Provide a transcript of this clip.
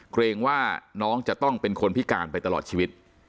เกรงว่าน้องจะต้องเป็นคนพิการไปตลอดชีวิต